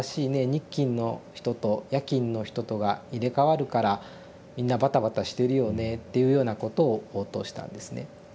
日勤の人と夜勤の人とが入れ代わるからみんなバタバタしてるよね」っていうようなことを応答したんですね。